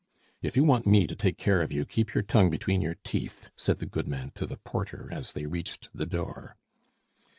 "If you want me to take care of you, keep your tongue between your teeth," said the goodman to the porter as they reached the door.